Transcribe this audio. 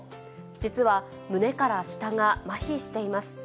実は、胸から下がまひしています。